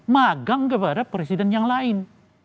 magang kepada presiden yang lain